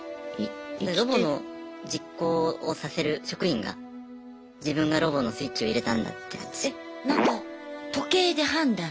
ロボの実行をさせる職員が自分がロボのスイッチを入れたんだってなってしまう。